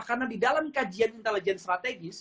karena di dalam kajian intelijen strategis